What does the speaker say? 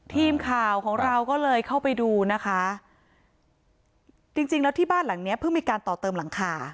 ทีมข่าวของเราก็เลยเข้าไปดูนะคะจริงจริงแล้วที่บ้านหลังเนี้ยเพิ่งมีการต่อเติมหลังคา